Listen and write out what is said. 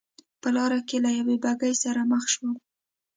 په لار کې له یوې بګۍ سره مخ شوم.